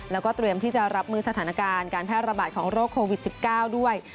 แล้วก็เตรียมที่จะรับมือสถานการณ์การแพร่ระบาดของโรคโควิด๑๙ด้วย